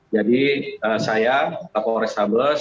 jadi saya pak polres habes